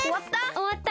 おわった？